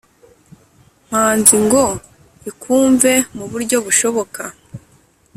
mpanzi ngo ikwumve muburyo bushoboka